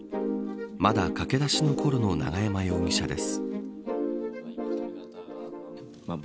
まだ駆け出しの頃の永山容疑者です。